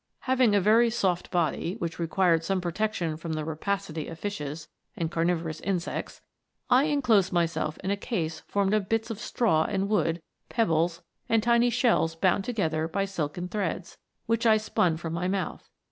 Having a very soft body, which required some pro tection from the rapacity of fishes and carnivorous insects, I enclosed myself in a case formed of bits of straw and wood, pebbles, and tiny shells bound together by silken threads, which I spun from my mouth.